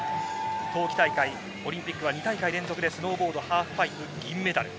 冬季大会、オリンピックは２大会連続でスノーボードハーフパイプ銀メダル。